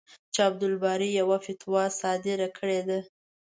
چې عبدالباري یوه فتوا صادره کړې ده.